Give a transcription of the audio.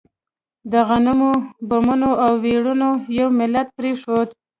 د غمونو، بمونو او ويرونو یو ملت پرېښود.